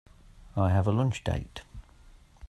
I have a lunch date.